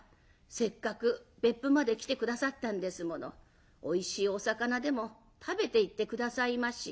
せっかく別府まで来て下さったんですものおいしいお魚でも食べていって下さいまし」。